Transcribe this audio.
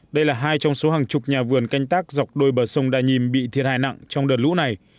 đây là hai trong số hàng chục nhà vườn canh tác dọc đôi bờ sông đà nhiêm bị thiệt hại nặng trong đợt lũ này